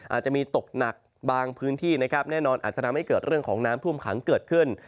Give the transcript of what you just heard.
อาจจะมีตกหนักบางพื้นที่นะครับแน่นอนอาจจะทำให้เกิดเรื่องของน้ำท่วมขังเกิดขึ้น